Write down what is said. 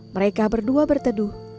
mereka berdua berteduh